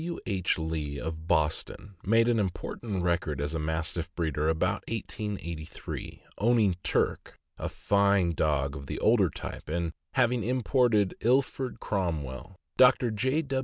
W. H. Lee, of Boston, made an important record as a Mastiff breeder about 1883, owning Turk, a fine dog of the older type, and having imported Ilford Cromwell. Dr. J.